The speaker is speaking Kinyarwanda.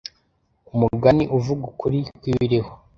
umugani uvuga ukuri kwibiriho